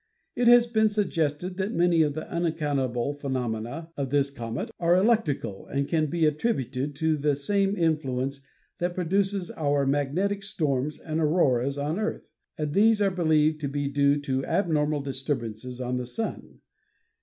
It has been suggested that many of the unaccountable phenomena of this comet are electrical and can be attributed to the same influence that produces our magnetic storms and auroras on the Earth, and these are believed to be due to abnormal disturbances on the Sun.